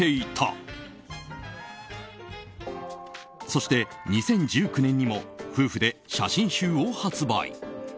そして、２０１９年にも夫婦で写真集を発売。